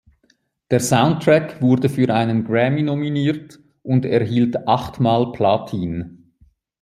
Der Soundtrack wurde für einen Grammy nominiert und erhielt achtmal Platin.